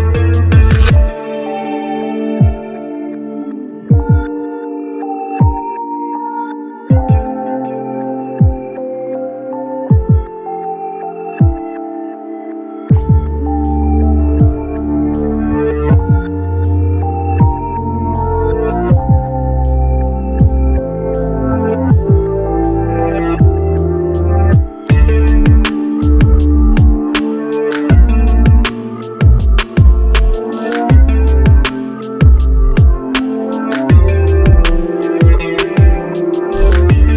blok siapa sih ini